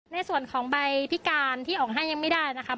ในส่วนของใบพิการที่ออกให้ยังไม่ได้นะครับ